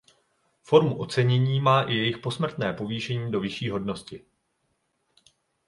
Formu ocenění má i jejich posmrtné povýšení do vyšší hodnosti.